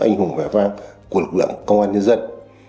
anh hùng vẻ vang của lực lượng công an nhân dân